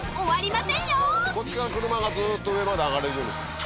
こっちから車がずっと上まで上がれるようにした。